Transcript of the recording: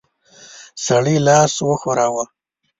سړي لاس وښوراوه.